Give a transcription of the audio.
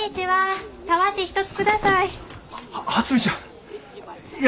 はい。